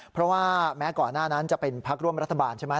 เพราะว่าแม้ก่อนหน้านั้นจะเป็นพักร่วมรัฐบาลใช่ไหม